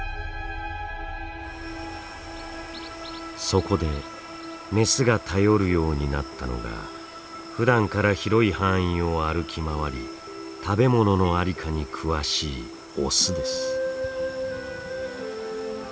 そこでメスが頼るようになったのがふだんから広い範囲を歩き回り食べ物の在りかに詳しいオスです。